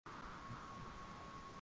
Roho wa Mungu Bariki kenya